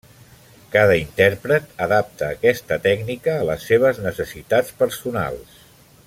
Cada intèrpret adapta aquesta tècnica a les seves necessitats personals.